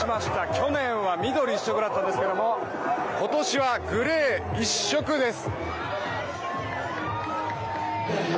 去年は緑一色だったんですけども今年はグレー一色です。